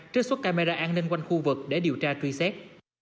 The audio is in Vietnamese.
trước suốt camera an ninh quanh khu vực để điều tra truy xét